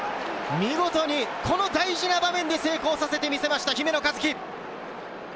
見事にこの大事な場面で成功させてみせました、姫野和樹！